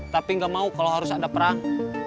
tapi nggak mau kalau harus ada perang